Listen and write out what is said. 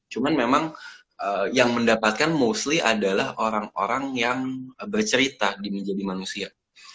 cuman memang yang mendapatkan mostly adalah orang orang yang bercerita di menjadi manusia